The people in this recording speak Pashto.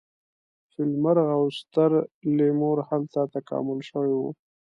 فیل مرغ او ستر لیمور هلته تکامل شوي وو.